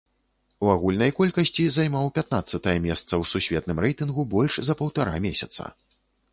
У агульнай колькасці займаў пятнаццатае месца ў сусветным рэйтынгу больш за паўтара месяца.